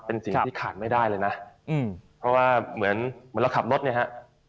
เป็นสิ่งที่ขาดไม่ได้เลยนะเพราะว่าเหมือนเราขับรถเนี่ยฮะ